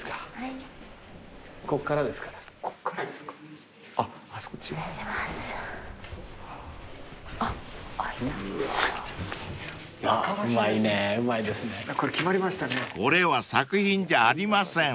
［これは作品じゃありません］